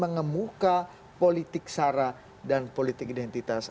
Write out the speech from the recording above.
mengamuka politik sarah dan politik identitas